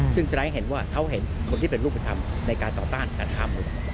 ซึ่งสุดท้ายเห็นว่าเท่าเห็นคนที่เป็นรูปธรรมในการต่อต้านการฆ่ามนุษย์